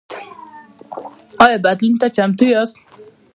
ایا بدلون ته چمتو یاست؟